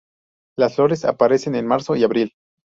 Las flores aparecen en marzo y abril.